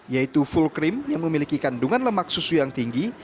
yaitu full cream yang memiliki kandungan lemak susu yang tinggi